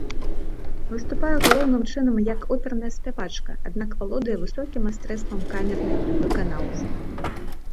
Выступае галоўным чынам як оперная спявачка, аднак валодае высокім майстэрствам камернай выканаўцы.